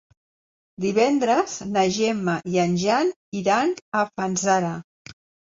Divendres na Gemma i en Jan iran a Fanzara.